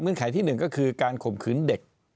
ไขที่หนึ่งก็คือการข่มขืนเด็ก